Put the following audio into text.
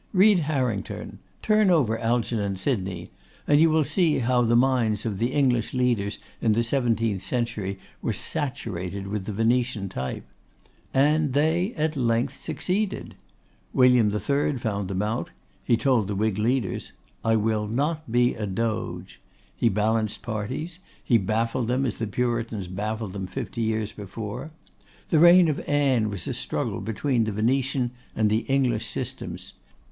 Read Harrington; turn over Algernon Sydney; then you will see how the minds of the English leaders in the seventeenth century were saturated with the Venetian type. And they at length succeeded. William III. found them out. He told the Whig leaders, "I will not be a Doge." He balanced parties; he baffled them as the Puritans baffled them fifty years before. The reign of Anne was a struggle between the Venetian and the English systems.